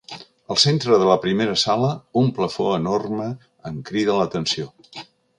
Al centre de la primera sala un plafó enorme em crida l'atenció.